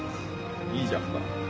いいじゃんか。